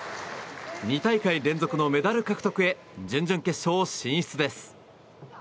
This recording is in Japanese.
２大会連続のメダル獲得へ準々決勝進出です。